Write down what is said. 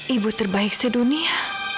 ibu terbaik sedunia